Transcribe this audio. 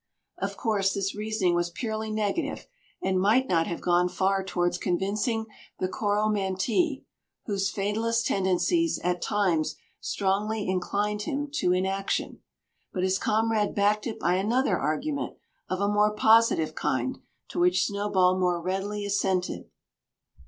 Of course this reasoning was purely negative, and might not have gone far towards convincing the Coromantee, whose fatalist tendencies at times strongly inclined him to inaction. But his comrade backed it by another argument, of a more positive kind, to which Snowball more readily assented.